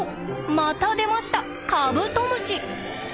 また出ましたカブトムシ！